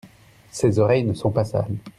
Ses oreilles ne sont pas sales.